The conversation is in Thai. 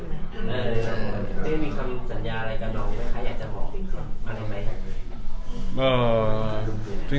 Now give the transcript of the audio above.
มีคำสัญญาอะไรกับน้องใครอยากจะบอก